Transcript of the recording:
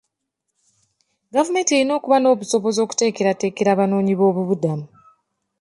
Gavumenti erina okuba n'obusobozi okuteekerateekera abanoonyiboobubudamu.